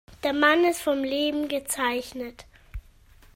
Der Mann ist vom Leben gezeichnet.